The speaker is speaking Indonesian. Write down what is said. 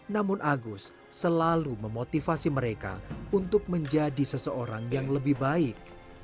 namun agus selalu memotivasi mereka untuk menjadi seseorang yang lebih baik